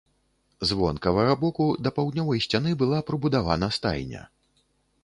З вонкавага боку да паўднёвай сцяны была прыбудавана стайня.